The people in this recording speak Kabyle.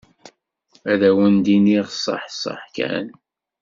Ad awen-d-iniɣ saḥ saḥ kan